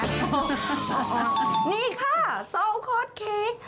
นี่ค่ะซัลล์คอร์สเค้ก